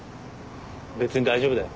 別に大丈夫だよ。